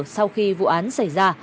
sau khi vụ án xảy ra